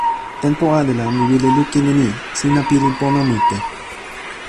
tenpo ale la mi wile lukin e ni: sina pilin pona mute.